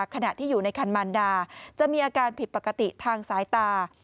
ขณะที่อยู่ในคันมันดาจะมีอาการผิดปกติทางสายตา